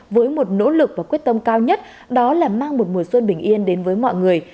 với một nỗ lực và quyết tâm cao nhất đó là mang một mùa xuân bình yên đến với mọi người